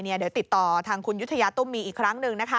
เดี๋ยวติดต่อทางคุณยุธยาตุ้มมีอีกครั้งหนึ่ง